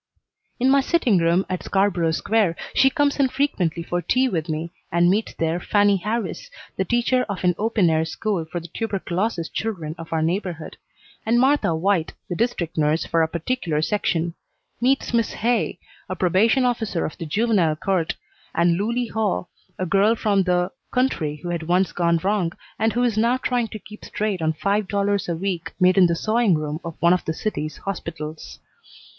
In my sitting room at Scarborough Square she comes in frequently for tea with me, and meets there Fannie Harris, the teacher of an open air school for the tuberculosis children of our neighborhood; and Martha White, the district nurse for our particular section; meets Miss Hay, a probation officer of the Juvenile Court, and Loulie Hill, a girl from the country who had once gone wrong, and who is now trying to keep straight on five dollars a week made in the sewing room of one of the city's hospitals.